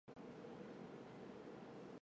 索镇人口变化图示